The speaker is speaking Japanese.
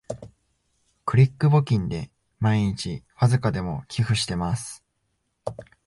クリック募金で毎日わずかでも寄付してます